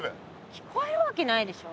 聞こえるわけないでしょ。